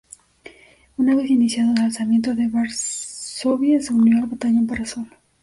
Una vez iniciado el alzamiento de Varsovia, se unió al "Batallón Parasol".